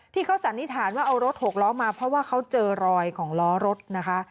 สันนิษฐานว่าเอารถหกล้อมาเพราะว่าเขาเจอรอยของล้อรถนะคะ